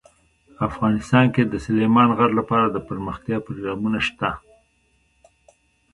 افغانستان کې د سلیمان غر لپاره دپرمختیا پروګرامونه شته.